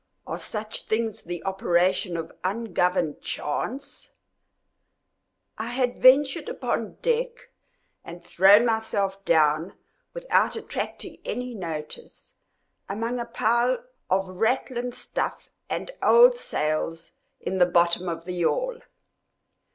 Are such things the operation of ungoverned chance? I had ventured upon deck and thrown myself down, without attracting any notice, among a pile of ratlin stuff and old sails in the bottom of the yawl.